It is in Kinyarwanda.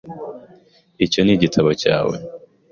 Icyo ni igitabo cyawe .